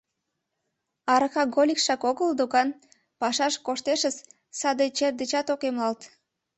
Аракаголикшак огыл докан, пашаш коштешыс, саде чер дечат ок эмлалт.